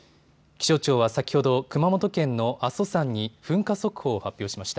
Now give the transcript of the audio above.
気象庁は先ほど熊本県の阿蘇山に噴火速報を発表しました。